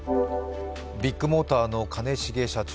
ビッグモーターの兼重社長。